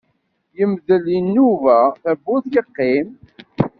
Yemdel Inuba tawwurt yeqqim.